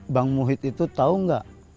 bang muhid itu tau gak